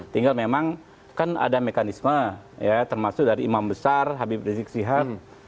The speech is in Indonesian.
tinggal memang kan ada mekanisme ya termasuk dari imam besar habib rizik sihab